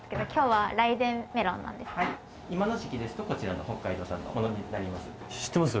はい今の時期ですとこちらの北海道産のものになります